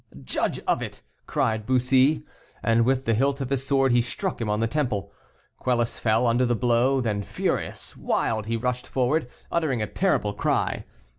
"Judge of it!" cried Bussy. And with the hilt of his sword he struck him on the temple. Quelus fell under the blow. Then furious wild, he rushed forward, uttering a terrible cry.